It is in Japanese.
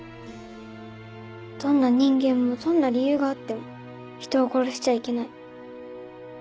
どんな人間もどんな理由があっても人を殺しちゃいけない。